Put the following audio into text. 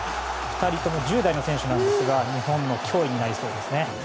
２人とも１０代の選手なんですが日本の脅威になりそうですね。